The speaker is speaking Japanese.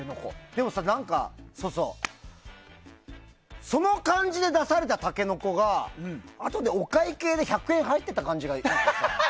でもさその感じで出されたタケノコがあとでお会計で１００円入ってた感じで。